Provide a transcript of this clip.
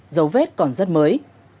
dấu vết còn rất mới